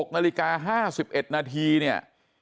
๑๖นาฬิกา๕๑นาที